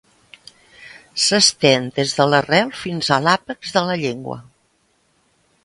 S'estén des de l'arrel fins a l'àpex de la llengua.